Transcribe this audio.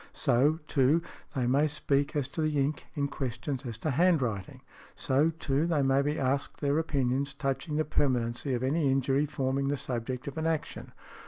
So, too, they may speak as to the ink in questions as to handwriting . So, too, they may be asked their opinions touching the permanency of any injury forming the subject of an action.